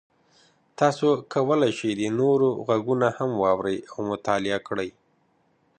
تاسو کولی شئ د نورو غږونه هم واورئ او مطالعه کړئ.